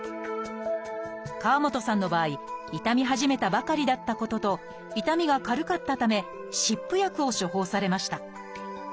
河本さんの場合痛み始めたばかりだったことと痛みが軽かったため湿布薬を処方されました。